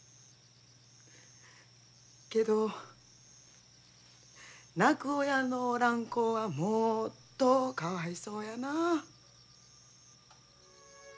けど泣く親のおらん子はもっとかわいそうやな。